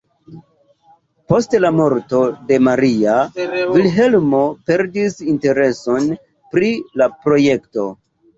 Post la morto de Maria, Vilhelmo perdis intereson pri la projekto.